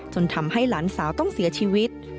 ทำให้หลานสาวต้องเสียชีวิต